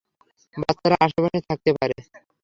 বাচ্চারা আশেপাশে থাকতে পারে।